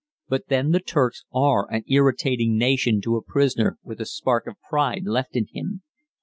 But then the Turks are an irritating nation to a prisoner with a spark of pride left in him.